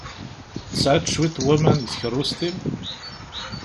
Tesɛiḍ cwiṭ n waman deg tkeṛṛust-im?